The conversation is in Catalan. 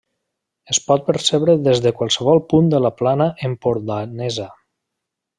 Es pot percebre des de qualsevol punt de la plana empordanesa.